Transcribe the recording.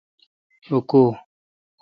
رو کو?